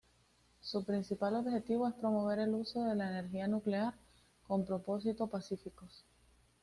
Su principal objetivo es promover el uso de la energía nuclear con propósitos pacíficos.